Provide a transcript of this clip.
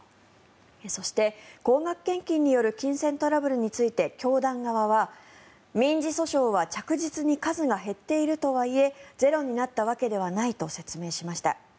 そして高額献金による金銭トラブルについて教団側は、民事訴訟は着実に数が減っているとはいえゼロになったわけではないと説明しました。